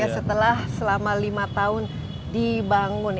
setelah selama lima tahun dibangun